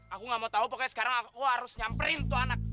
aku gak mau tau pokoknya sekarang wah harus nyamperin tuh anak